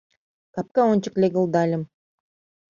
Капка ончык легылдальым